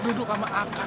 duduk duduk sama aka